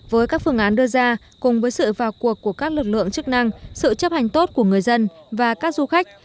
với các phương án đưa ra cùng với sự vào cuộc của các lực lượng chức năng sự chấp hành tốt của người dân và các du khách